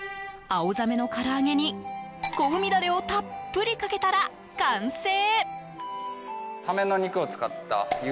アオザメのから揚げに香味ダレをたっぷりかけたら完成。